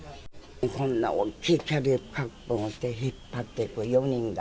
こんな大きなキャリーバッグを持って、引っ張っていく４人が。